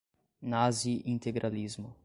nazi-integralismo